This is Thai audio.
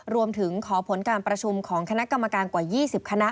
รวมถึงขอผลการประชุมของคณะกรรมการกว่า๒๐คณะ